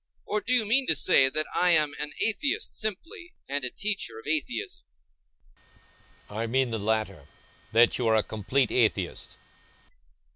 Or, do you mean to say that I am an atheist simply, and a teacher of atheism?I mean the latter—that you are a complete atheist.